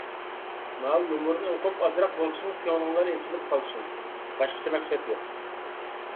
ماۋۇ يۇمۇرنى ئوقۇپ، ئازراق بولسىمۇ كۆڭلۈڭلار ئېچىلىپ قالسۇن. باشقىچە مەقسەت يوق.